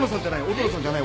音野さんじゃない。